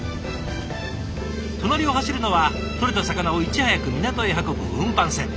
隣を走るのはとれた魚をいち早く港へ運ぶ運搬船。